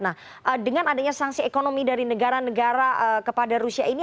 nah dengan adanya sanksi ekonomi dari negara negara kepada rusia ini